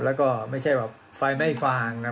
แล้วก็ไม่ใช่แบบไฟไม่ฟาง